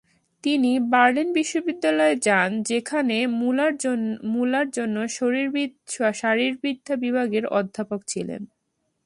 তিনি বার্লিন বিশ্ববিদ্যালয়ে যান, যেখানে মুলার তখন শারীরবিদ্যা বিভাগের অধ্যাপক ছিলেন।